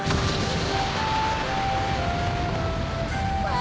あ！